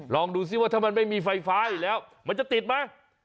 ลองดูซิว่าถ้ามันไม่มีไฟฟ้าอีกแล้วมันจะติดไหม